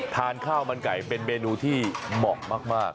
ทานข้าวมันไก่เป็นเมนูที่เหมาะมาก